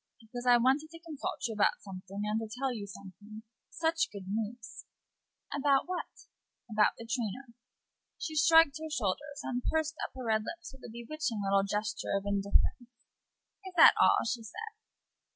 "Because I wanted to consult you about something, and to tell you something. Such good news!" "About what?" "About the trainer." She shrugged her shoulders, and pursed up her red lips with a bewitching little gesture of indifference. "Is that all?" she said.